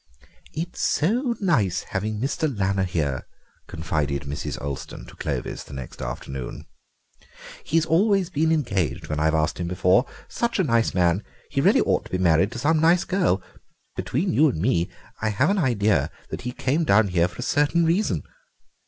"It's so nice having Mr. Lanner here," confided Mrs. Olston to Clovis the next afternoon; "he's always been engaged when I've asked him before. Such a nice man; he really ought to be married to some nice girl. Between you and me, I have an idea that he came down here for a certain reason."